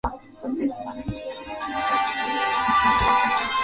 mvua nzito ilichangia ukuaji wa majani